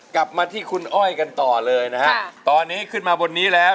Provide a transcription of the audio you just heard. กลับมาที่คุณอ้อยกันต่อเลยนะฮะตอนนี้ขึ้นมาบนนี้แล้ว